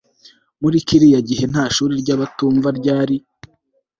Muri kiriya gihe nta shuri ryabatumva ryari